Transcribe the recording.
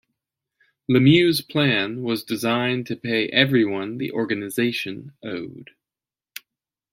Lemieux's plan was designed to pay everyone the organization owed.